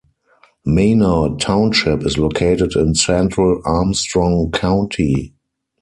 Manor Township is located in central Armstrong County.